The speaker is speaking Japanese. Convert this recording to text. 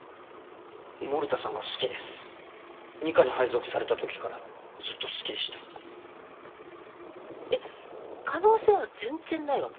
森田さんが好きです二課に配属されたときからずっと好きでしえっ可能性は全然ないわけ？